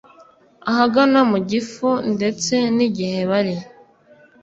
ahagana mu gifu Ndetse nigihe bari